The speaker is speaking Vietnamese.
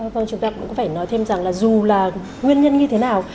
vâng chúng ta cũng có phải nói thêm rằng là dù là nguyên nhân như thế nào